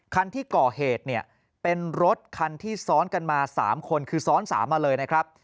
คันที่ก่อเหตุเป็นรถคันที่ซ้อนกันมา๓คนคือซ้อน๓มาเลย